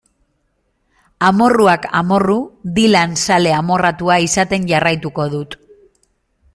Amorruak amorru, Dylan zale amorratua izaten jarraituko dut.